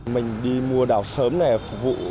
mình đi mua đào sớm này phục vụ